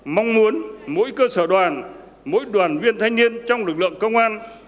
mong muốn mỗi cơ sở đoàn mỗi đoàn viên thanh niên trong lực lượng công an